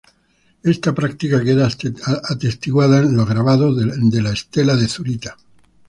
Esta práctica queda atestiguada en los grabados de la Estela de Zurita.